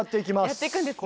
やっていくんですね。